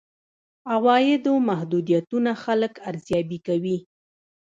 عوایدو محدودیتونه خلک ارزيابي کوي.